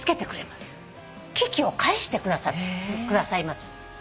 危機を回避してくださいます。